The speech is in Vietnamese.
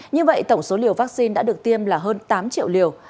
như vậy tổng số liều vaccine đã được tiêm là hơn tám triệu liều